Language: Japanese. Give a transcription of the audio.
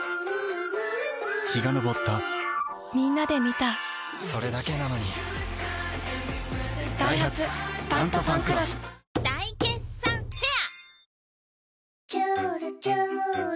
陽が昇ったみんなで観たそれだけなのにダイハツ「タントファンクロス」大決算フェア